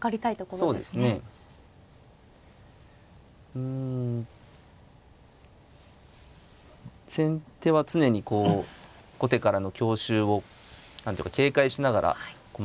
うん先手は常にこう後手からの強襲を何ていうか警戒しながら駒組みをしないといけないので